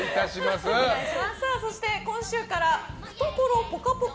そして今週から、懐ぽかぽか！